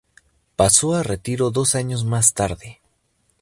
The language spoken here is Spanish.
Pasó a retiro dos años más tarde.